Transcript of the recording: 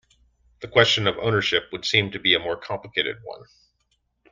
The question of ownership would seem to be a more complicated one.